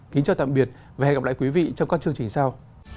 kính chào tạm biệt và hẹn gặp lại quý vị trong các chương trình sau